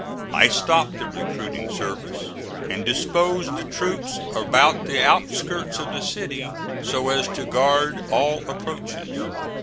I stopped the recruiting service, and disposed the troops about the outskirts of the city so as to guard all approaches.